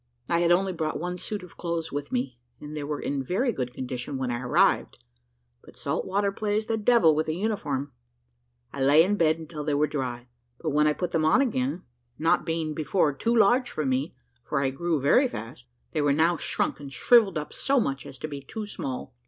I had only brought one suit of clothes with me: they were in very good condition when I arrived, but salt water plays the devil with a uniform. I lay in bed until they were dry; but when I put them on again, not being before too large for me, for I grew very fast, they were now shrunk and shrivelled up so as to be much too small.